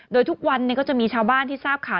โดยทุกวันก็จะมีชาวบ้านที่ทราบข่าว